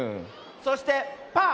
そしてパー。